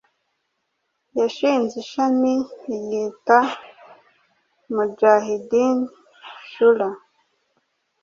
yashinze ishami iryita Mujahideen Shura